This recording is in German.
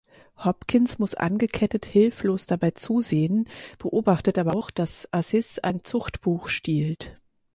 Hopkins muss angekettet hilflos dabei zusehen, beobachtet aber auch, dass Aziz ein Zuchtbuch stiehlt.